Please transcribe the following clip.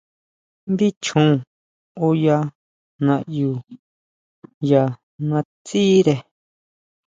Ndí chjon oyá naʼyu ya natsire.